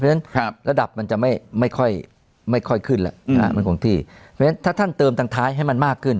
เพราะฉะนั้นระดับมันจะไม่ค่อยขึ้นแล้วถ้าท่านเติมทางท้ายให้มันมากขึ้น